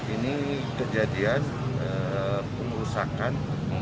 ini kejadian pengurusakan